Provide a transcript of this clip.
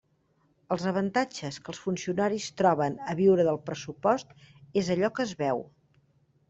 Els avantatges que els funcionaris troben a viure del pressupost és allò que es veu.